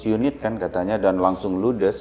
lima belas unit kan katanya dan langsung ludes